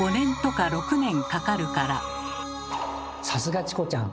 さすがチコちゃん。